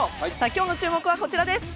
今日の注目は、こちらです。